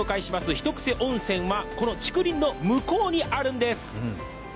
ひとクセ温泉はこの竹林の向こうにあるんです。